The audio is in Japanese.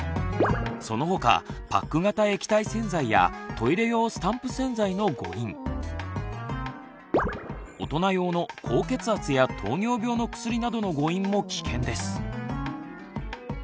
そのほかパック型液体洗剤やトイレ用スタンプ洗剤の誤飲大人用の高血圧や糖尿病の薬などの誤飲も危険です。